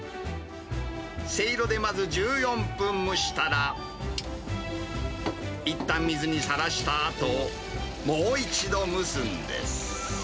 せいろでまず、１４分蒸したら、いったん水にさらしたあと、もう一度蒸すんです。